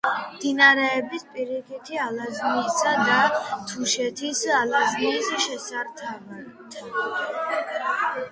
მდინარეების პირიქითი ალაზნისა და თუშეთის ალაზნის შესართავთან.